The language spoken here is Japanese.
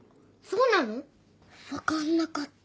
分かんなかった。